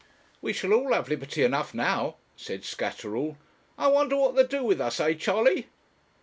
'We shall all have liberty enough now,' said Scatterall; 'I wonder what they'll do with us; eh, Charley?'